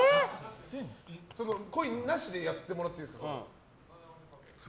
コインなしでやってもらっていいですか。